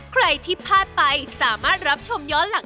ใครที่พลาดไปสามารถรับชมย้อนหลัง